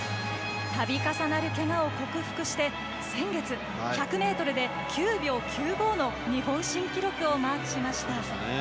度重なる、けがを克服して先月、１００ｍで９秒９５の日本新記録をマークしました。